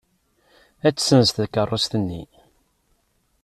Ad tessenz takeṛṛust-nni.